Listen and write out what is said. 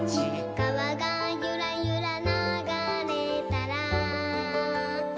「かわがゆらゆらながれたら」